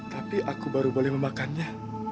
tapi aku baru boleh memakannya